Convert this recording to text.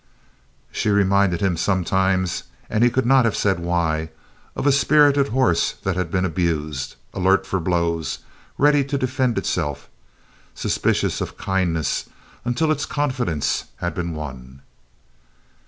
She reminded him, sometimes and he could not have said why of a spirited horse that has been abused alert for blows, ready to defend itself, suspicious of kindness until its confidence has been won.